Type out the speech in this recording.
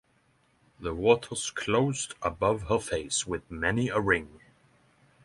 The waters closed above her face with many a ring.